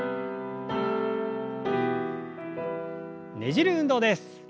ねじる運動です。